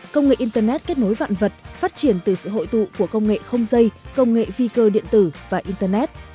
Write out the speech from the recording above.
công nghệ internet kết nối vạn vật phát triển từ sự hội tụ của công nghệ không dây công nghệ vi cơ điện tử và internet